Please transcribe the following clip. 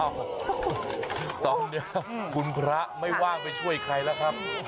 อ้าวค่ะตอนนี้คุณพระไม่ว่างไปช่วยใครเรากันครับค่ะ